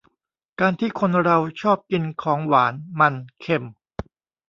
การที่คนเราชอบกินของหวาน มัน เค็ม